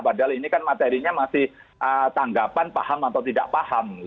padahal ini kan materinya masih tanggapan paham atau tidak paham